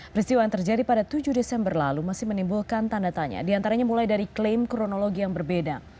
peristiwa yang terjadi pada tujuh desember lalu masih menimbulkan tanda tanya diantaranya mulai dari klaim kronologi yang berbeda